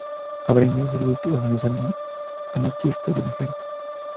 Awareness League, organización anarquista de Nigeria.